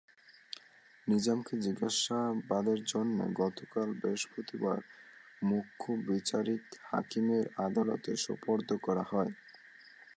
নিজামকে জিজ্ঞাসাবাদের জন্য গতকাল বৃহস্পতিবার মুখ্য বিচারিক হাকিমের আদালতে সোপর্দ করা হয়।